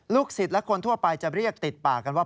ศิษย์และคนทั่วไปจะเรียกติดปากกันว่า